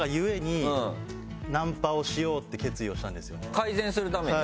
改善するために？